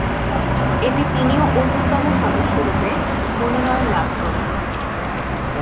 এতে তিনিও অন্যতম সদস্যরূপে মনোনয়ন লাভ করেন।